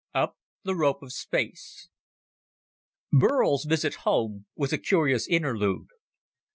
Up the Rope of Space Burl's visit home was a curious interlude.